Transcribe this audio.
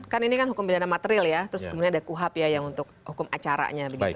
kan ini kan hukum pidana materil ya terus kemudian ada kuhap ya yang untuk hukum acaranya